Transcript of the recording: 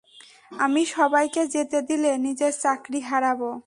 আমি সবাইকে যেতে দিলে, নিজের চাকরি হারাবো।